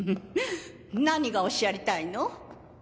何がおっしゃりたいの？